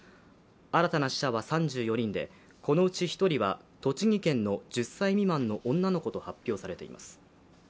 新たな死者は３４人でこのうち１人は栃木県の１０歳未満の女の子と発表されています。